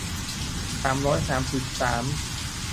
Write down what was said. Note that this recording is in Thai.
สามร้อยสามสิบสาม